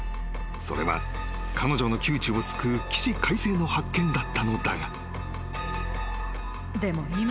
［それは彼女の窮地を救う起死回生の発見だったのだが］